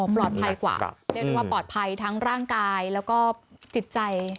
ปลอดภัยกว่าเรียกได้ว่าปลอดภัยทั้งร่างกายแล้วก็จิตใจ